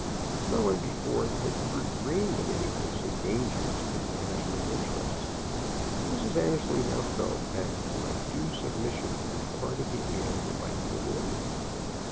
No one before had ever dreamed of anything so dangerous to the Annesley interests, and Mrs. Annesley now felt that by due submission on the part of the heir it might be avoided.